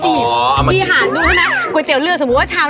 ที่พี่ชอบสรุปก๋วยเตี๋ยวเนื้อสมมุติว่า๔๐บาท